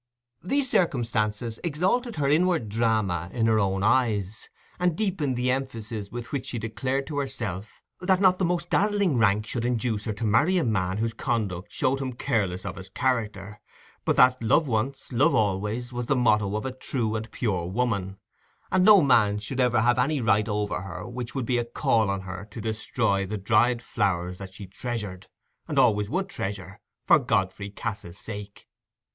These circumstances exalted her inward drama in her own eyes, and deepened the emphasis with which she declared to herself that not the most dazzling rank should induce her to marry a man whose conduct showed him careless of his character, but that, "love once, love always", was the motto of a true and pure woman, and no man should ever have any right over her which would be a call on her to destroy the dried flowers that she treasured, and always would treasure, for Godfrey Cass's sake.